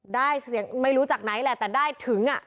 ได้เสียงไม่รู้จากไหนแหละแต่ได้ถึงอ่ะ